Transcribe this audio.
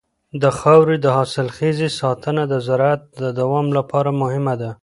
د خاورې د حاصلخېزۍ ساتنه د زراعت د دوام لپاره مهمه ده.